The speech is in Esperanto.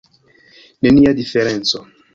Nenia diferenco!